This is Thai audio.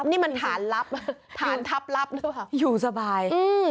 นี่มันฐานลับฐานทับลับอยู่สบาย